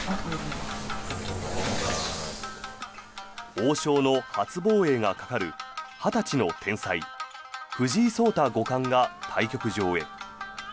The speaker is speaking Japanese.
王将の初防衛がかかる２０歳の天才藤井聡太五冠が対局場へ。